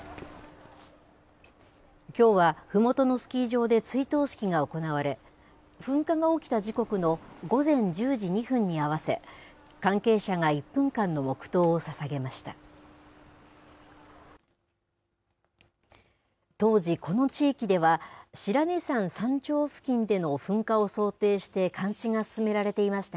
きょうは、ふもとのスキー場で追悼式が行われ、噴火が起きた時刻の午前１０時２分に合わせ、関係者が１分間の黙とうをささげました。